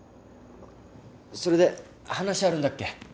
それで話あるんだっけ？